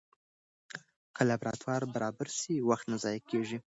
که لابراتوار برابر سي، وخت نه ضایع کېږي.